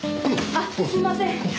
あっすいません。